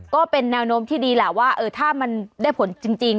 ก็เป็นแนวโน้มที่ดีแหละว่าถ้ามันได้ผลจริง